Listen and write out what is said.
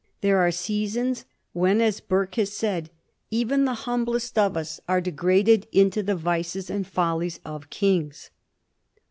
There are seasons when, as Burke has said, ^^even the humblest of us are degraded into the vices and follies of kings."